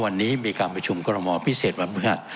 วันนี้มีการประชุมกรมปภิเษษวรรมเผือด